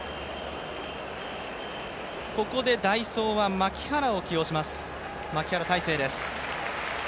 ここで代走は牧原を起用します、牧原大成です。